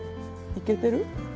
いけてる？